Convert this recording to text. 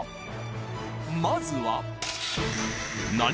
［まずは］